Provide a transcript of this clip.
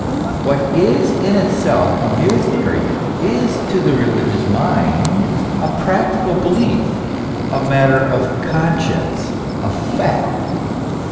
What is in itself a mere theory, is to the religious mind a prac tical belief, a matter of conscience, a fact.